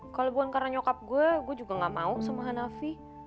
kalau bukan karena nyokap gue gue juga gak mau sama hanafi